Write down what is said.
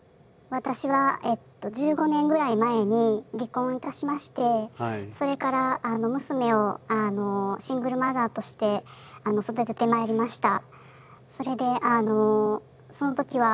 私は１５年ぐらい前に離婚いたしましてそれから娘をシングルマザーとして育ててまいりました。